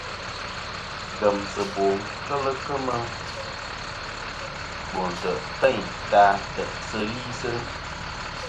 Ngemsiɨbo kel kemɨ no ntè' teyn ta ntè'sɨ li.